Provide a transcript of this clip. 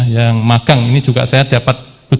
yang magang ini juga saya dapat